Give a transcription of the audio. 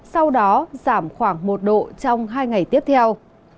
sau đó giảm khoảng một độ trong hai ngày tiếp theo